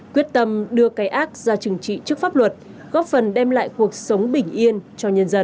quyết tâm đưa cái ác ra trừng trị trước pháp luật góp phần đem lại cuộc sống bình yên cho nhân dân